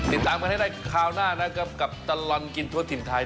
ติดตามกันให้ได้คราวหน้านะครับกับตลอดกินทั่วถิ่นไทย